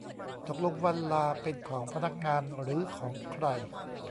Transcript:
ตกลงวันลาเป็นของพนักงานหรือของใคร